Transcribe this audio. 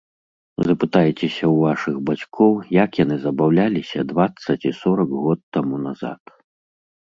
Запытайцеся ў вашых бацькоў, як яны забаўляліся дваццаць і сорак год таму назад.